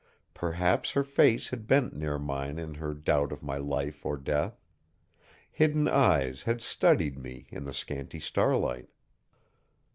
Perhaps her face had bent near mine in her doubt of my life or death; hidden eyes had studied me in the scanty starlight.